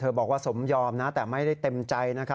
บอกว่าสมยอมนะแต่ไม่ได้เต็มใจนะครับ